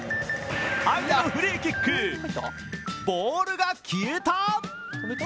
相手のフリーキック、ボールが消えた！